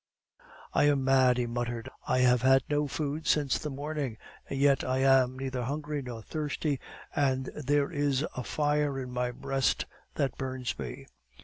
"I am mad," he muttered. "I have had no food since the morning, and yet I am neither hungry nor thirsty, and there is a fire in my breast that burns me."